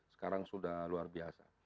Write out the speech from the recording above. sekarang sudah luar biasa